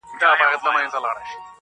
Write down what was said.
لومړی ژوندون و تجربه مې نه وه